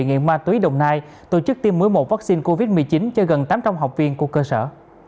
nghiện ma túy đồng nai tổ chức tiêm một mươi một vaccine covid một mươi chín cho gần tám trăm linh học viên của cơ sở